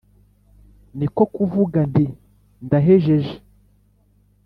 ni ko kuvuga nti «Ndahejeje!»